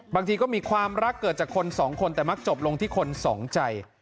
บางทีก็มีความรักเกิดจากคนสองคนแต่มักจบลงที่คนสองใจ